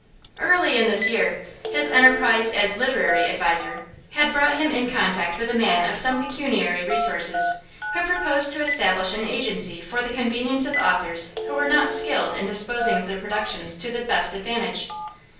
Early in this year, his enterprise as 'literary adviser' had brought him in contact with a man of some pecuniary resources, who proposed to establish an agency for the convenience of authors who were not skilled in disposing of their productions to the best advantage.